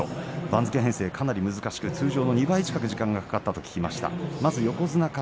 番付編成が難しく通常の２倍近くかかったと聞きました。